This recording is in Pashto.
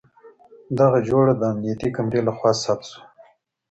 دغه جوړه د امنيتي کمرې له خوا ثبت شوه.